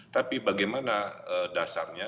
tapi bagaimana dasarnya